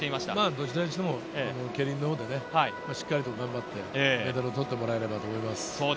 どちらにしてもケイリンで頑張ってメダルを取ってもらえればと思います。